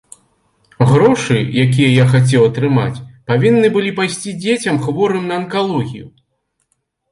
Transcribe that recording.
Грошы, якія я хацеў атрымаць, павінны былі пайсці дзецям, хворым на анкалогію.